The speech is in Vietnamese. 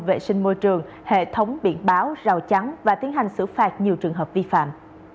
vệ sinh môi trường hệ thống biển báo rào chắn và tiến hành xử phạt nhiều trường hợp vi phạm